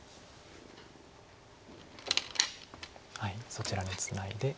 そちらにツナいで。